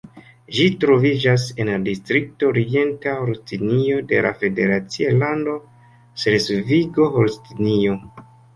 Ĝi troviĝas en la distrikto Orienta Holstinio de la federacia lando Ŝlesvigo-Holstinio.